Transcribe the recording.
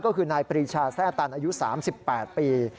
ก็คือนายปรีชาแทร่ตันอายุ๓๘ปี